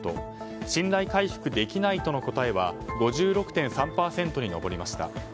信頼回復できないとの答えは５６．３％に上りました。